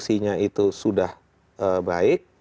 itu sudah baik